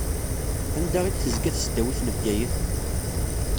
Anda i d-tezga tesdawit n Bgayet?